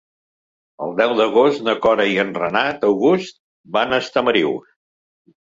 El deu d'agost na Cora i en Renat August van a Estamariu.